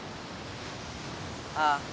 ああ。